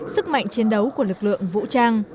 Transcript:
sức mạnh chiến đấu của lực lượng vũ trang